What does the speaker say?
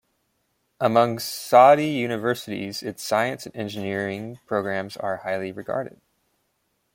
Among Saudi universities, its science and engineering programs are highly regarded.